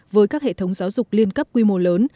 với các hệ thống giáo dục liên cấp quy mô lớn